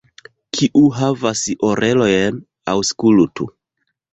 Kiu havas orelojn, aŭskultu!